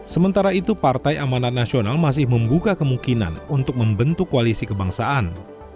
sementara itu partai amanat nasional masih membuka kemungkinan untuk membentuk koalisi kebangsaan